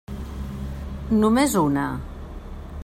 Només una.